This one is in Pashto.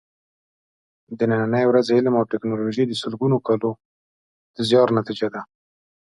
د نننۍ ورځې علم او ټېکنالوجي د سلګونو کالونو د زیار نتیجه ده.